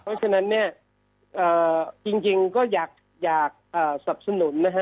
เพราะฉะนั้นเนี้ยเอ่อจริงก็อยากอยากเอ่อสับสนุนนะฮะ